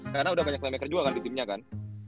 karena udah banyak playmaker juga di timnya kan